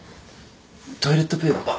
トイレットペーパー。